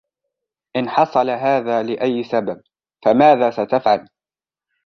إن حصل هذا لأي سبب ، فماذا ستفعل ؟